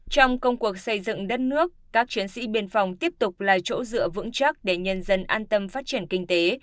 trong công cuộc xây dựng đất nước các chiến sĩ biên phòng tiếp tục là chỗ dựa vững chắc để nhân dân an tâm phát triển kinh tế